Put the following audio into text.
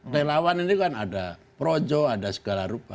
relawan ini kan ada projo ada segala rupa